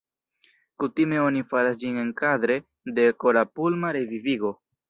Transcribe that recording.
Kutime oni faras ĝin enkadre de kora-pulma revivigo.